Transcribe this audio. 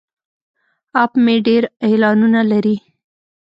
اپ مې ډیر اعلانونه لري.